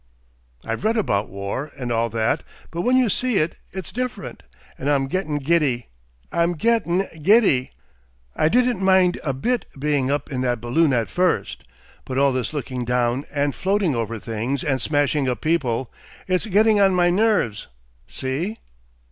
"I've read about war, and all that, but when you see it it's different. And I'm gettin' giddy. I'm gettin' giddy. I didn't mind a bit being up in that balloon at first, but all this looking down and floating over things and smashing up people, it's getting on my nerves. See?"